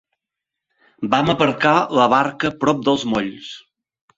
Vam aparcar la barca prop dels molls.